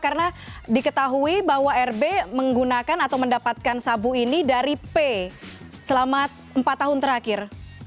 karena diketahui bahwa rb menggunakan atau mendapatkan sabu ini dari p selama empat tahun terakhir